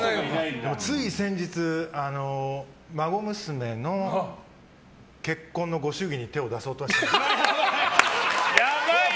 つい先日、孫娘の結婚のご祝儀に手を出そうとして。